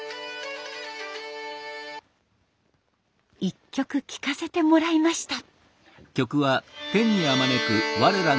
一曲聴かせてもらいました。